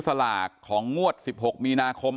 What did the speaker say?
สลากของงวด๑๖มีนาคม